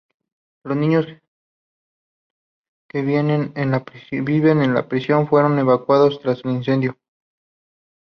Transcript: Los niños que viven en la prisión fueron evacuados tras el incendio.